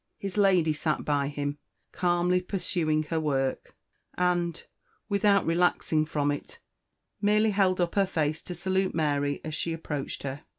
His lady sat by him, calmly pursuing her work, and, without relaxing from it, merely held up her face to salute Mary as she approached her.